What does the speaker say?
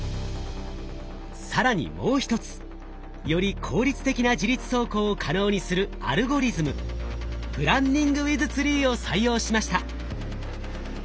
更にもう一つより効率的な自律走行を可能にするアルゴリズムプランニング・ウィズ・ツリーを採用しました。